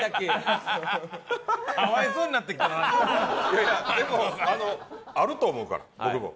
いやいやでもあると思うから僕も。